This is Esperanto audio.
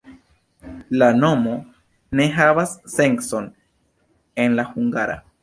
La nomo ne havas sencon en la hungara.